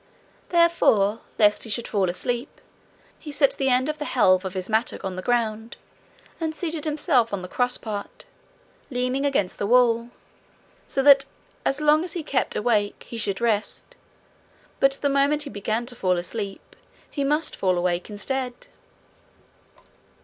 Therefore, lest he should fall asleep, he set the end of the helve of his mattock on the ground, and seated himself on the cross part, leaning against the wall, so that as long as he kept awake he should rest, but the moment he began to fall asleep he must fall awake instead.